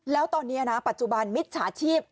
แล้วตอนนี้ปัจจุบันมิตรสหชิบ